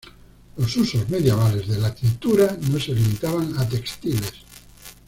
Los usos medievales de la tintura no se limitaban a textiles.